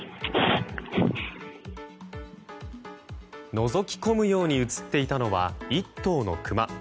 のぞき込むように映っていたのは１頭のクマ。